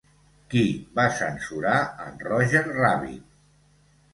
Qui va censurar en Roger Rabbit?